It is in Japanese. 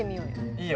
いいよ。